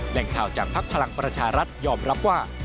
แหล่งข่าวจากภักดิ์พลังประชารัฐยอมรับว่า